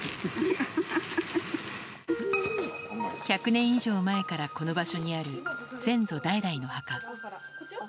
１００年以上前からこの場所にある先祖代々の墓。